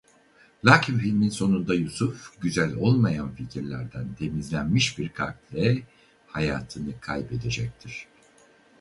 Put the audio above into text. Lakin filmin sonunda Yusuf güzel olmayan fikirlerden temizlenmiş bir kalple hayatını kaybedecektir.